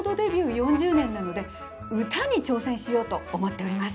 ４０年なので歌に挑戦しようと思っております。